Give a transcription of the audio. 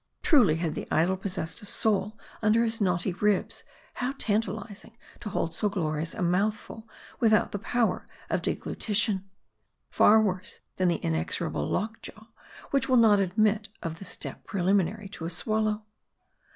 Truly, had the idol possessed a soul under his knotty ribs, how tantalizing to hold so glorious a mouthful without the power of deglutition. Far worse than the inexorable lock jaw, which will not admit of the step preliminary to a swallow.